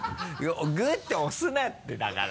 グッて押すなってだから！